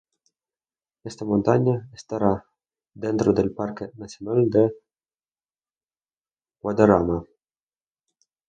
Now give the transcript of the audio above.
Esta montaña estará dentro del Parque Nacional de Guadarrama.